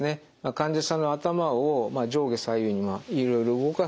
患者さんの頭を上下左右にいろいろ動かすことでですね